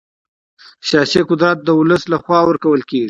سیاسي قدرت د ولس له خوا ورکول کېږي